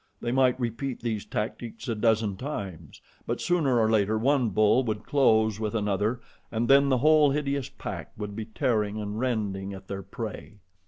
They might repeat these tactics a dozen times; but sooner or later one bull would close with another and then the whole hideous pack would be tearing and rending at their prey.